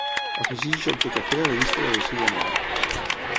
Afegeix joc de cafè a la llista de vaixella nova.